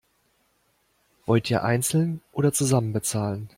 Wollt ihr einzeln oder zusammen bezahlen?